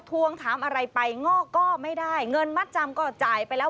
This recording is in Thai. ทวงถามอะไรไปงอกก็ไม่ได้เงินมัดจำก็จ่ายไปแล้ว